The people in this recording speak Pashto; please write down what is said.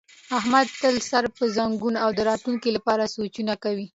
احمد تل سر په زنګون او د راتونکي لپاره سوچونه کوي.